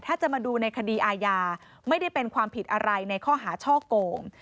ถ้าจะมาดูในคดีอาญาไม่ได้เป็นความผิดอะไรในข้อหาช่อโกง